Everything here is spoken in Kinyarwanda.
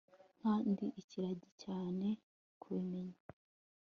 Nkaho ndi ikiragi cyane kubimenya